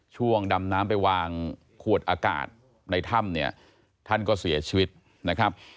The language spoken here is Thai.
ช่วงดำน้ำไปวางขวดอากาศในถ้ำเนี่ยท่านก็เสียชีวิตนะครับ